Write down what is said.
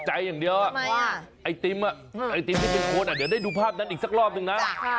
อย่างเดียวไอติมไอติมที่เป็นคนอ่ะเดี๋ยวได้ดูภาพนั้นอีกสักรอบนึงนะ